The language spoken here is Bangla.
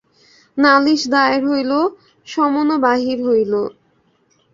নালিশ দায়ের হইল, সমনও বাহির হইল।